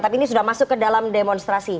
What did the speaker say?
tapi ini sudah masuk ke dalam demonstrasi